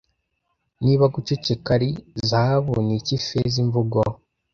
Niba guceceka ari zahabu niki feza Imvugo